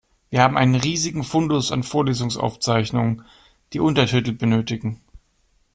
Wir haben einen riesigen Fundus an Vorlesungsaufzeichnungen, die Untertitel benötigen.